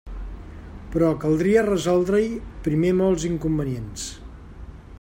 Però caldria resoldre-hi primer molts inconvenients.